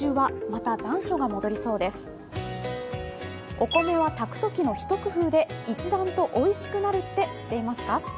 お米は炊くときの一工夫で一段とおいしくなるって知っていますか？